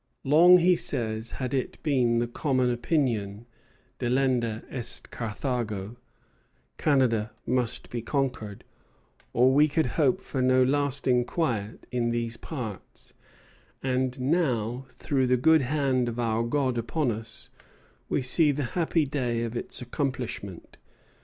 "Long," he says, "had it been the common opinion, Delenda est Carthago, Canada must be conquered, or we could hope for no lasting quiet in these parts; and now, through the good hand of our God upon us, we see the happy day of its accomplishment.